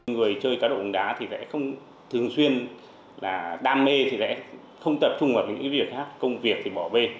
người chơi cá độ bóng đá thì sẽ không thường xuyên là đam mê thì sẽ không tập trung vào những việc khác công việc thì bỏ bê